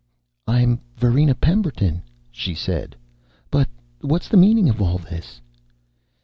"I'm Varina Pemberton," she said. "But what's the meaning of all this?"